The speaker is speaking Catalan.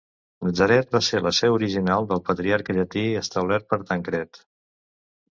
Natzaret va ser la seu original del Patriarcat Llatí, establert per Tancred.